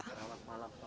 selamat malam pak